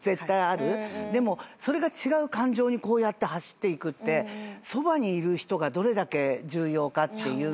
でもそれが違う感情に走っていくってそばにいる人がどれだけ重要かって。